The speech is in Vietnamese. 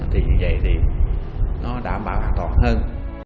thì như vậy thì nó đảm bảo an toàn hơn